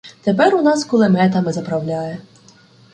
Тепер у нас кулеметами заправляє.